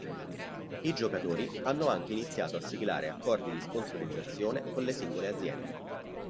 I giocatori hanno anche iniziato a siglare accordi di sponsorizzazione con le singole aziende.